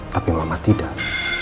tapi mama tidak